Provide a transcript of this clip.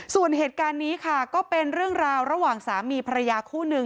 ส่วนเหตุการณ์นี้ค่ะก็เป็นเรื่องราวระหว่างสามีภรรยาคู่หนึ่ง